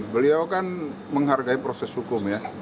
beliau kan menghargai proses hukum ya